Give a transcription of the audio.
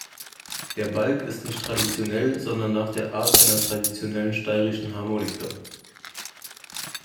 Der Balg ist nicht traditionell, sondern nach der Art einer traditionellen steirischen Harmonika.